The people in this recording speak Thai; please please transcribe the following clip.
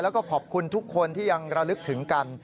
แล้วก็ขอบคุณทุกคนที่ยังระลึกถึงกัน